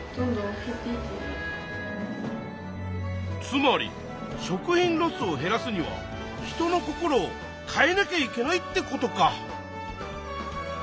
つまり食品ロスを減らすには人の心を変えなきゃいけないってことか。